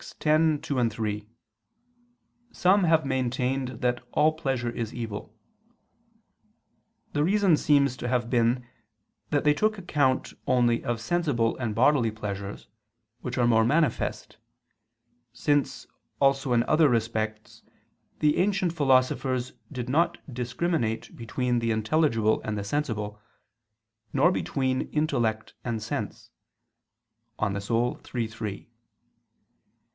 _ x, 2, 3, some have maintained that all pleasure is evil. The reason seems to have been that they took account only of sensible and bodily pleasures which are more manifest; since, also in other respects, the ancient philosophers did not discriminate between the intelligible and the sensible, nor between intellect and sense (De Anima iii, 3).